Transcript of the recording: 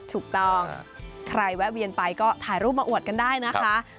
ถูกต้องใครแวะเวียนไปก็ถ่ายรูปมาอวดกันได้นะคะ